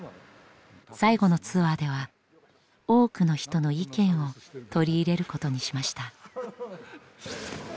最後のツアーでは多くの人の意見を取り入れることにしました。